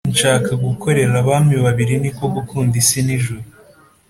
nshaka gukorera abami babiri niko gukunda isi n’ ijuru